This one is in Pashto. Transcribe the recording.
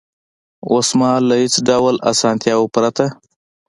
اوس مهال له هېڅ ډول اسانتیاوو پرته